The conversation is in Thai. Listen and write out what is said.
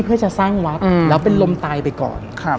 เพื่อจะสร้างวัดแล้วเป็นลมตายไปก่อน